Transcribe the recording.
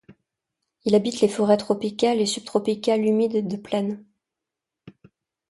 Il habite les forêts tropicales et subtropicales humides de plaine.